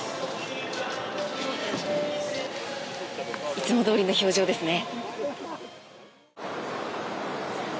いつもどおりの表情ですね。